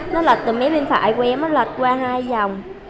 nó lật từ mấy bên phải của em nó lật qua hai dòng